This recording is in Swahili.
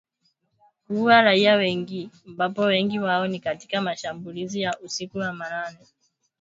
kuua raia wengi ambapo wengi wao ni katika mashambulizi ya usiku wa manane